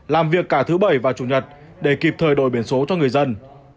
làm việc cả thứ bảy và chủ nhật để kịp thời đổi biển số cho người dân